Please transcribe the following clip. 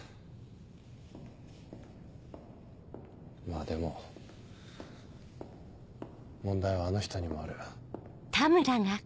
まぁでも問題はあの人にもある。